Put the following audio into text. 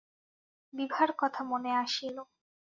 বিভার কথা মনে আসিল।